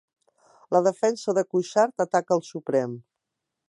La defensa de Cuixart ataca al Suprem